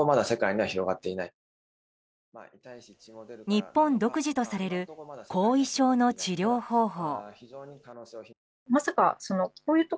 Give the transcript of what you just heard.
日本独自とされる後遺症の治療方法。